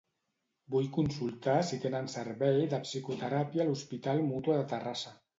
Vull consultar si tenen servei de psicoteràpia a l'hospital Mútua de Terrassa.